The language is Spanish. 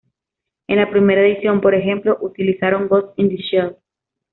En la primera edición, por ejemplo, utilizaron Ghost in the Shell.